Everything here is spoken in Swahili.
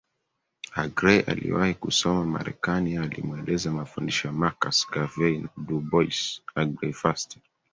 Aggrey aliyewahi kusoma Marekani alimweleza mafundisho ya Marcus Garvey na Du Bois Aggrey Fraser